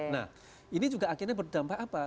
nah ini juga akhirnya berdampak apa